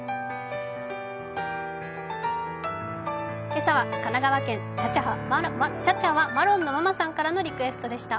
今朝は神奈川県ちゃちゃはマロンのママさんからのリクエストでした。